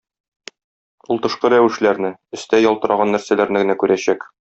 Ул тышкы рәвешләрне, өстә ялтыраган нәрсәләрне генә күрәчәк.